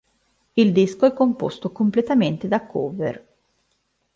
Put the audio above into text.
Il disco è composto completamente da cover.